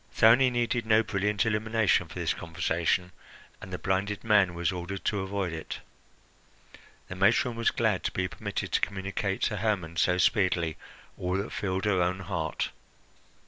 Thyone needed no brilliant illumination for this conversation, and the blinded man was ordered to avoid it. The matron was glad to be permitted to communicate to Hermon so speedily all that filled her own heart.